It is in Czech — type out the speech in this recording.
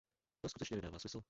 To skutečně nedává smysl.